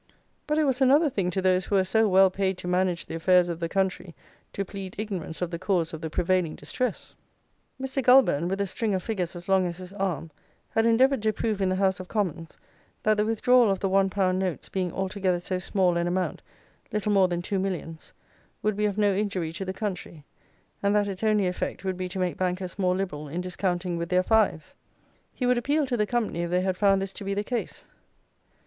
But it was another thing to those who were so well paid to manage the affairs of the country to plead ignorance of the cause of the prevailing distress. "Mr. Goulburn, with a string of figures as long as his arm, had endeavoured to prove in the House of Commons that the withdrawal of the one pound notes, being altogether so small an amount, little more than two millions, would be of no injury to the country, and that its only effect would be to make bankers more liberal in discounting with their fives. He would appeal to the company if they had found this to be the case.